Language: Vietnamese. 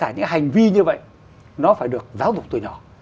như vậy nó phải được giáo dục từ nhỏ